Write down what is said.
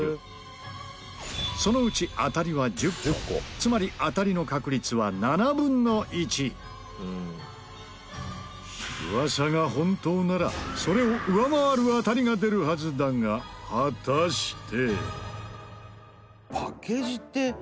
つまり噂が本当ならそれを上回る当たりが出るはずだが果たして。